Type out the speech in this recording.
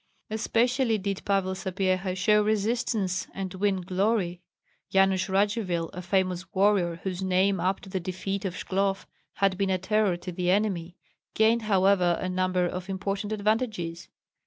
Especially did Pavel Sapyeha show resistance and win glory. Yanush Radzivill, a famous warrior, whose name up to the defeat at Shklov had been a terror to the enemy, gained however a number of important advantages.